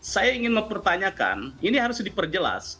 saya ingin mempertanyakan ini harus diperjelas